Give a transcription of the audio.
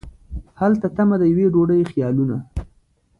هلته تمه د یوې ډوډۍ خیالونه